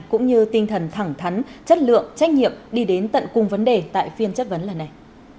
cũng như tinh thần thẳng thắn chất lượng trách nhiệm đi đến tận cùng vấn đề tại phiên chất vấn lần này